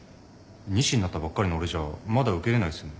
２士になったばっかりの俺じゃまだ受けれないっすよね？